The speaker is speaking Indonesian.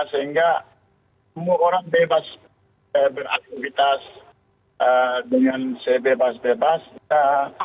sehingga semua orang bebas beraktivitas dengan sebebas bebas